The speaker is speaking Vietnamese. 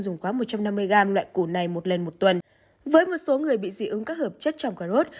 dùng quá một trăm năm mươi gram loại củ này một lần một tuần với một số người bị dị ứng các hợp chất trong cà rốt